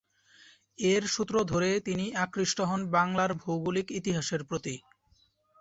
এর সূত্র ধরে তিনি আকৃষ্ট হন বাংলার ভৌগোলিক ইতিহাসের প্রতি।